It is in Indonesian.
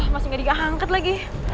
masih gak diangkat lagi